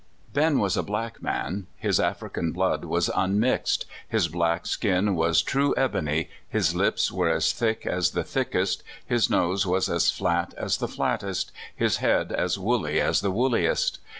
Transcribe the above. BEN was a black man. His African blood was unmixed. His black skin was true ebony, his lips were as thick as the thick est, his nose was as flat as the flattest, his head as woolly as the woolliest.